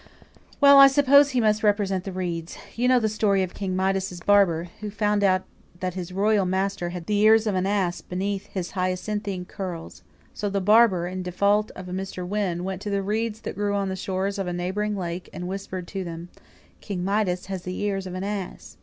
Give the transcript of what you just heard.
"Well, I suppose he must represent the reeds. You know the story of King Midas's barber, who found out that his royal master had the ears of an ass beneath his hyacinthine curls. So the barber, in default of a Mr. Wynne, went to the reeds that grew on the shores of a neighbouring lake, and whispered to them, 'King Midas has the ears of an ass.'